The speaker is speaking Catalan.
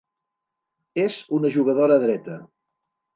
És una jugadora dreta.